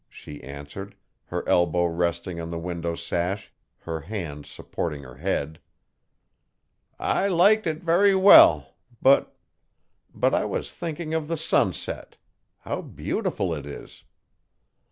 she answered, her elbow resting on the window sash, her hand supporting her head. 'I liked it very well but but I was thinking of the sunset. How beautiful it is.